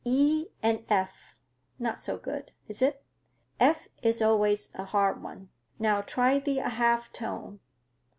E and F. Not so good, is it? F is always a hard one.—Now, try the half tone.